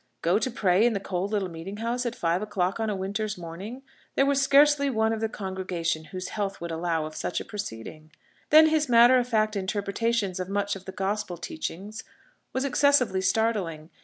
Go to pray in the cold little meeting house at five o'clock on a winter's morning? There was scarcely one of the congregation whose health would allow of such a proceeding. Then his matter of fact interpretations of much of the Gospel teaching was excessively startling.